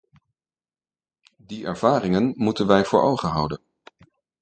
Die ervaringen moeten wij voor ogen houden.